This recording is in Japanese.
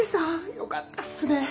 よかったっすね！